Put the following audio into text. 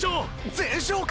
全勝か！！